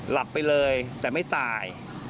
หลับไปเลยแต่ไม่ตาย